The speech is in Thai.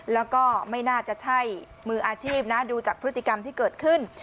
แล้วก็ไม่น่าจะใช่มืออาชีพนะดูจากพฤติกรรมที่เกิดขึ้น